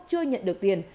chưa nhận được tiền